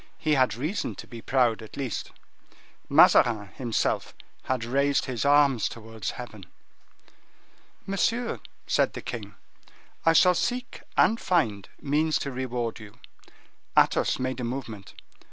He had reason to be proud, at least. Mazarin, himself, had raised his arms towards heaven. "Monsieur," said the king, "I shall seek and find means to reward you." Athos made a movement.